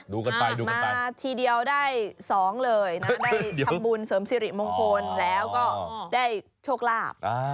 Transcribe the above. ดูกันไปดูมาทีเดียวได้๒เลยนะได้ทำบุญเสริมสิริมงคลแล้วก็ได้โชคลาภ